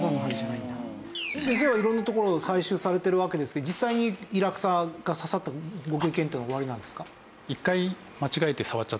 先生は色んな所を採取されてるわけですけど実際にイラクサが刺さったご経験っていうのはおありなんですか？